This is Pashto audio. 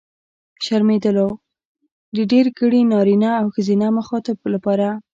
شرمېدلو! د ډېرګړي نرينه او ښځينه مخاطب لپاره.